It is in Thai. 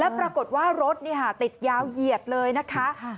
ปรากฏว่ารถติดยาวเหยียดเลยนะคะ